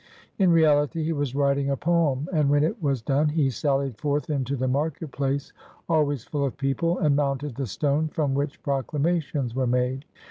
In reality, he was writing a poem; and when it was done, he sallied forth into the market place, always full of people, and mounted the stone from which proclama tions were made.